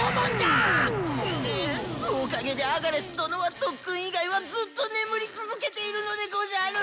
ううおかげでアガレス殿は特訓以外はずっと眠り続けているのでござる！